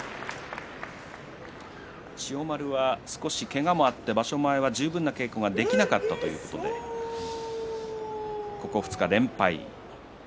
千代丸は少しけがもあって場所前は十分な稽古ができなかったということでここ２日連敗。